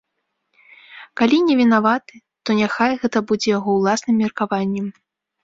Калі не вінаваты, то няхай гэта будзе яго ўласным меркаваннем.